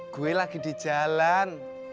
gue lagi di jalan